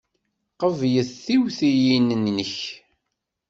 Qebleɣ tiwtilin-nnek.